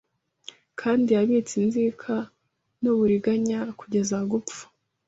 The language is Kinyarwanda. Kandi yabitse inzika n'uburiganya kugeza gupfa